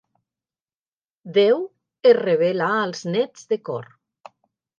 Déu es revela als nets de cor.